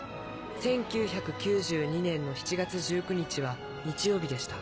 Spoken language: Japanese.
１９９２年の７月１９日は日曜日でした。